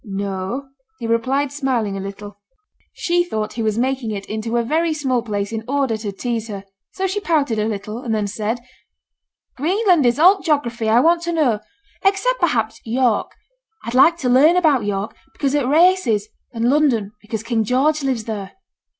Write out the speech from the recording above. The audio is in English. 'No!' he replied, smiling a little. She thought he was making it into a very small place in order to tease her; so she pouted a little, and then said, 'Greenland is all t' geography I want to know. Except, perhaps, York. I'd like to learn about York, because of t' races, and London, because King George lives there.'